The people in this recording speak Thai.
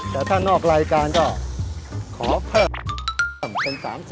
แต่ถ้านอกรายการก็ขอเพิ่มเป็น๓๐